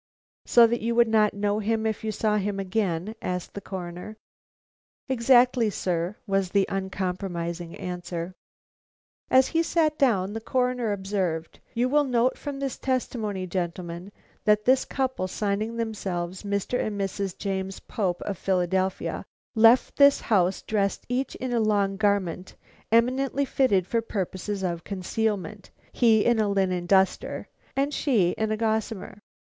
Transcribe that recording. "So that you would not know him if you saw him again?" asked the Coroner. "Exactly, sir," was the uncomprising answer. As he sat down, the Coroner observed: "You will note from this testimony, gentlemen, that this couple, signing themselves Mr. and Mrs. James Pope of Philadelphia, left this house dressed each in a long garment eminently fitted for purposes of concealment, he in a linen duster, and she in a gossamer.